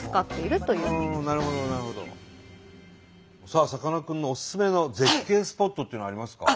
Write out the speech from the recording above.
さあさかなクンのおすすめの絶景スポットっていうのはありますか？